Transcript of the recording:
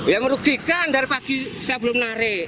ya merugikan dari pagi saya belum narik